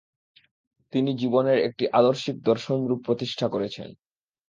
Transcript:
তিনি জীবনের একটি আদর্শিক দর্শনরূপ প্রতিষ্ঠা করেছেন"।